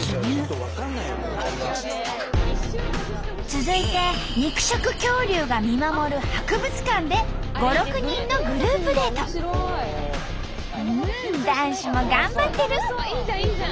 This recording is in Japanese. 続いて肉食恐竜が見守る博物館で５６人の男子も頑張ってる！